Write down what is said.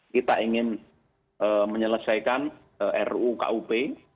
kita ingin menyelesaikan ruu kup